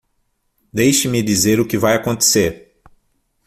Deixe-me dizer o que vai acontecer.